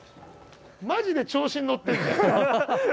マジで調子に乗ってるじゃん。